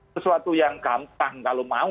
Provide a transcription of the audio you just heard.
sesuatu yang gampang kalau mau